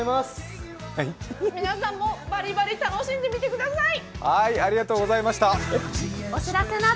皆さんもバリバリ楽しんでみてください。